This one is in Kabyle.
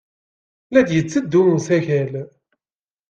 La d-yetteddu usakal.